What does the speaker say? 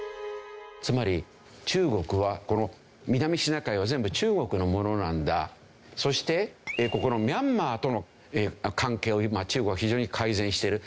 つまり中国はこの南シナ海は全部中国のものなんだそしてここのミャンマーとの関係を今中国は非常に改善している。